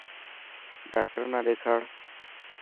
ڊاڪٽر نا ڏيکاڙ.